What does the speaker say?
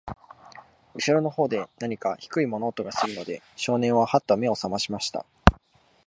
後ろの方で、なにか低い物音がするので、少年は、はっと目を覚ましました。